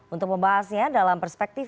untuk membahasnya dalam perspektif